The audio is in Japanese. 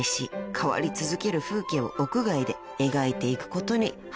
変わり続ける風景を屋外で描いていくことにはまっていきます］